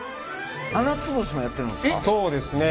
ななつ星もやってるんですか？